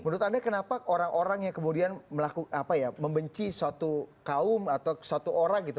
menurut anda kenapa orang orang yang kemudian melakukan membenci suatu kaum atau satu orang gitu